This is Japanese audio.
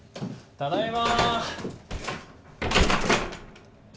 ただいま！